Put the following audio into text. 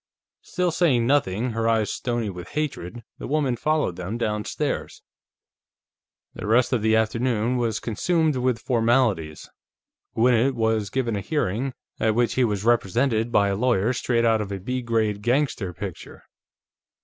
Still saying nothing, her eyes stony with hatred, the woman followed them downstairs. The rest of the afternoon was consumed with formalities. Gwinnett was given a hearing, at which he was represented by a lawyer straight out of a B grade gangster picture.